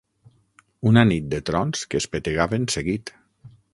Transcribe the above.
Una nit de trons que espetegaven seguit.